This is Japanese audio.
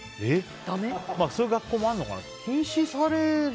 そういう学校もあるのかな。